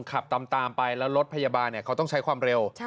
ขับตามไปแล้วรถพยาบาลเขาต้องใช้ความเร็ว